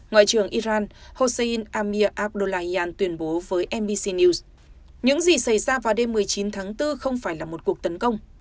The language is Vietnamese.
ngoại trưởng iran hossein amir abdullahian tuyên bố với mbc news những gì xảy ra vào đêm một mươi chín tháng bốn không phải là một cuộc tấn công